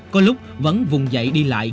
có lúc vẫn vùng dậy đi lại